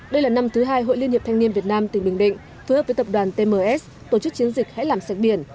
đây là năm thứ hai hội liên hiệp thanh niên việt nam tỉnh bình định phối hợp với tập đoàn tms tổ chức chiến dịch hãy làm sạch biển